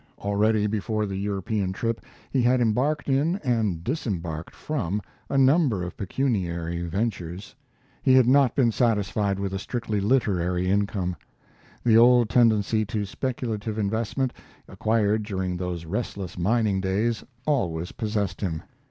Already, before the European trip, he had embarked in, and disembarked from, a number of pecuniary ventures. He had not been satisfied with a strictly literary income. The old tendency to speculative investment, acquired during those restless mining days, always possessed him.